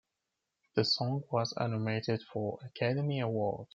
The song was nominated for an Academy Award.